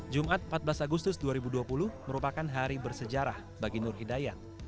jumat empat belas agustus dua ribu dua puluh merupakan hari bersejarah bagi nur hidayat